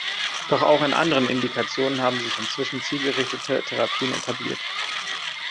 Doch auch in anderen Indikationen haben sich inzwischen zielgerichtete Therapien etabliert.